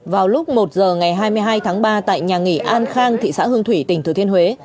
vào lúc một giờ ngày hai mươi hai tháng ba tại nhà nghỉ an khang thị xã hương thủy tỉnh thừa thiên huế